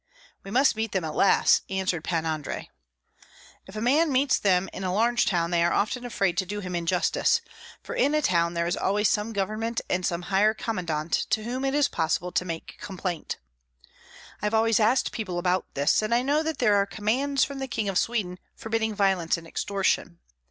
"We must meet them at last," answered Pan Andrei. "If a man meets them in a large town they are often afraid to do him injustice; for in a town there is always some government and some higher commandant to whom it is possible to make complaint. I have always asked people about this, and I know that there are commands from the King of Sweden forbidding violence and extortion.